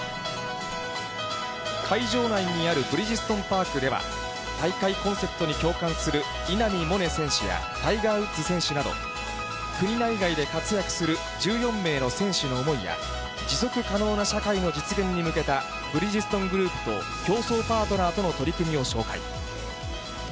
会場内にあるブリヂストンパークでは、大会コンセプトに共感する稲見萌寧選手やタイガー・ウッズ選手など、国内外で活躍する１４名の選手の思いや、持続可能な社会の実現に向けたブリヂストングループと共創パートナーとの取り組みを紹介。